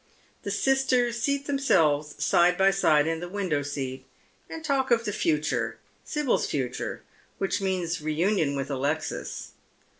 The sisters seat themselves side by side in the window seat, and talk of the future, Sibyl's future, which means reunion with Alexis.